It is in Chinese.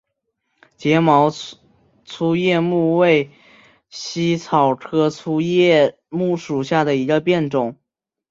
睫毛粗叶木为茜草科粗叶木属下的一个变种。